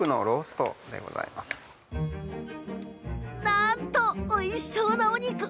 うわあなんと、おいしそうなお肉。